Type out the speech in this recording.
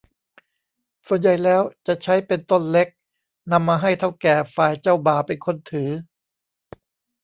ส่วนใหญ่แล้วจะใช้เป็นต้นเล็กนำมาให้เถ้าแก่ฝ่ายเจ้าบ่าวเป็นคนถือ